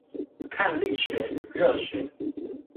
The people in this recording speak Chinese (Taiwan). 看力學與熱學